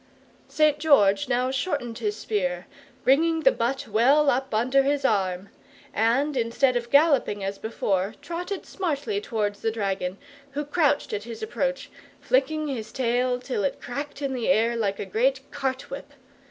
St. George now shortened his spear, bringing the butt well up under his arm; and, instead of galloping as before, trotted smartly towards the dragon, who crouched at his approach, flicking his tail till it cracked in the air like a great cart whip.